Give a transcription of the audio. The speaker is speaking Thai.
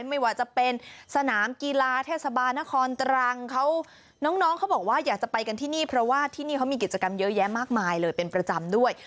ไม่ว่าจะเป็นสนามกีฬาเทศบาลนครตรังเขาน้องเขาบอกว่าอยากจะไปกันที่นี่เพราะว่าที่นี่เขามีกิจกรรมเยอะแยะมากมายเลยเป็นประจำด้วย